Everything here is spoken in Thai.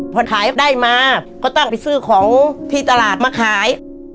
พอขายได้มาก็ต้องไปซื้อของที่ตลาดมาขาย